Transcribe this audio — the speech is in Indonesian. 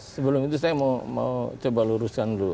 sebelum itu saya mau coba luruskan dulu